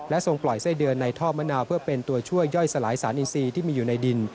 ทรงปล่อยไส้เดือนในท่อมะนาวเพื่อเป็นตัวช่วยย่อยสลายสารอินซีที่มีอยู่ในดิน